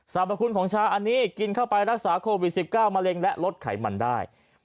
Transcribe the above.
พคุณของชาอันนี้กินเข้าไปรักษาโควิด๑๙มะเร็งและลดไขมันได้